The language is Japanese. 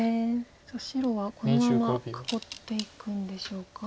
白はこのまま囲っていくんでしょうか。